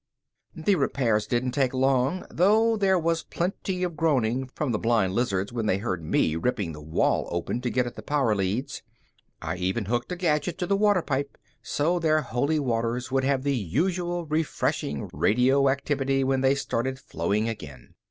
The repairs didn't take long, though there was plenty of groaning from the blind lizards when they heard me ripping the wall open to get at the power leads. I even hooked a gadget to the water pipe so their Holy Waters would have the usual refreshing radioactivity when they started flowing again.